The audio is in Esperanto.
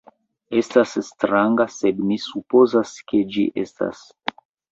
Estas stranga, sed mi supozas ke ĝi estas...